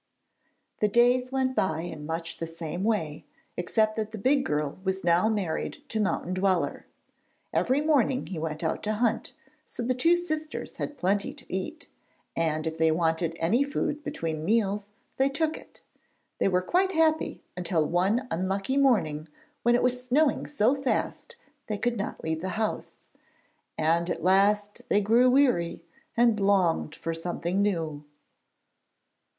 The days went by in much the same way, except that the big girl was now married to Mountain Dweller. Every morning he went out to hunt, so the two sisters had plenty to eat, and if they wanted any food between meals, they took it. They were quite happy until one unlucky morning when it was snowing so fast they could not leave the house, and at last they grew weary, and longed for something new.